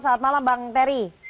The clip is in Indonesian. selamat malam bang terry